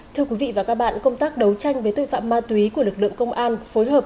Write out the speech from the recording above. thưa quý vị và các bạn công tác đấu tranh với tội phạm ma túy của lực lượng công an phối hợp